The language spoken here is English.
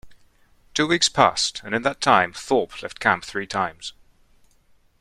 Two weeks passed, and in that time Thorpe left camp three times.